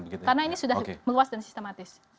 karena ini sudah meluas dan sistematis